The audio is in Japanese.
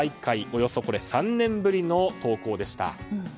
およそ３年ぶりの投稿でした。